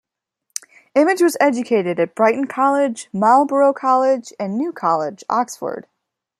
Image was educated at Brighton College, Marlborough College and New College, Oxford.